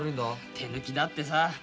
手抜きだってさ。